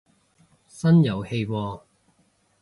新遊戲喎